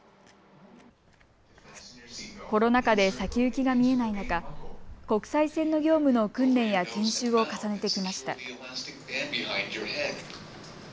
コロナ禍で先行きが見えない中、国際線の業務の訓練や研修を重ねてきました。